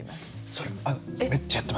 それめっちゃやってます僕。